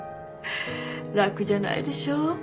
楽じゃないでしょ